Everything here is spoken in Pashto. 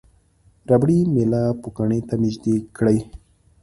ربړي میله پوکڼۍ ته نژدې کړئ.